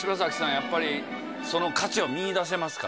やっぱりその価値を見いだせますか？